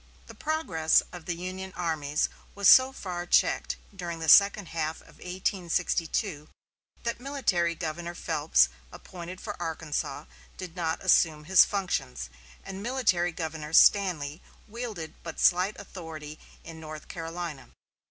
The progress of the Union armies was so far checked during the second half of 1862, that Military Governor Phelps, appointed for Arkansas, did not assume his functions; and Military Governor Stanley wielded but slight authority in North Carolina.